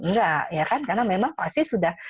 enggak karena memang pasti sudah